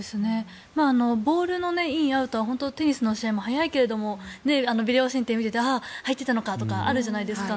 ボールのイン、アウトは本当にテニスの試合は早いけれどもビデオ判定を見ていてああ、入っていたのかとかあるじゃないですか。